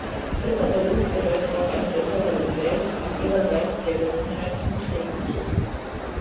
Bessere Luft bedeutet auch eine bessere Umwelt, die ihrerseits der Gesundheit zuträglich ist.